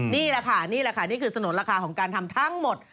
นี่แหละค่ะนี่แหละค่ะนี่คือสนุนราคาของการทำทั้งหมด